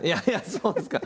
そうですか？